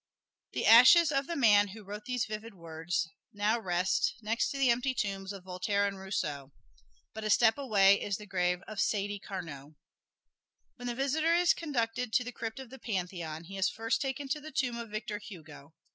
The ashes of the man who wrote these vivid words now rest next to the empty tombs of Voltaire and Rousseau. But a step away is the grave of Sadi Carnot. When the visitor is conducted to the crypt of the Pantheon, he is first taken to the tomb of Victor Hugo.